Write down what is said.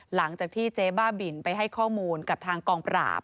หลังจากที่เจ๊บ้าบินไปให้ข้อมูลกับทางกองปราบ